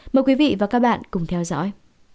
mời quý vị và các bạn cùng theo dõi